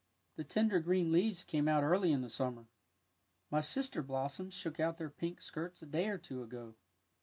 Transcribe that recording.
'' The tender green leaves came out early in the summer. My sister blossoms shook out their pink skirts a day or two ago.